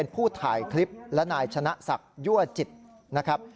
ผู้ถ่ายคลิปและนายชนะศักดิ์ยั่วจิตนะครับ